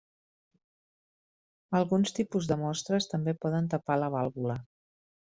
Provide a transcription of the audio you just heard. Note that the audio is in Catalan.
Alguns tipus de mostres també poden tapar la vàlvula.